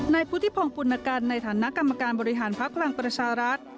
ในผู้ที่พองคุณการในฐานะกรรมการบริหารพักพลังประชารัฐ